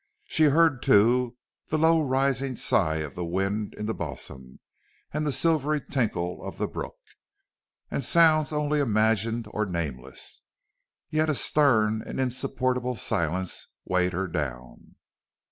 She heard, too, the low rising sigh of the wind in the balsam and the silvery tinkle of the brook, and sounds only imagined or nameless. Yet a stern and insupportable silence weighed her down.